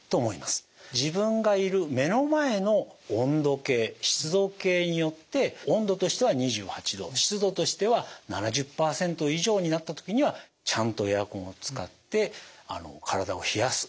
自分がいる目の前の温度計湿度計によって温度としては２８度湿度としては７０％以上になった時にはちゃんとエアコンを使って体を冷やす。